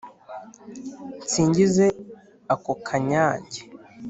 nsingize ako kanyange